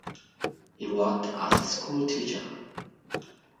He worked as a school teacher.